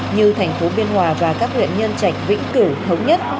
như tp biên hòa và các huyện nhân trạch vĩnh cửu thống nhất